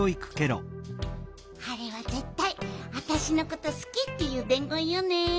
あれはぜったいあたしのことすきっていうでんごんよね。